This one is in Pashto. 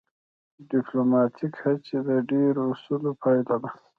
ډیپلوماتیکې هڅې د ډیرو اصولو پایله ده